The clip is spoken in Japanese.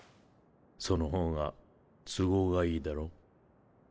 そのほうが都合がいいだろう。